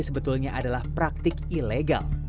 sebetulnya adalah praktik ilegal